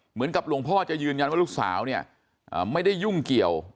เหมือนกับหลวงพ่อจะยืนยันว่าลูกสาวเนี่ยไม่ได้ยุ่งเกี่ยว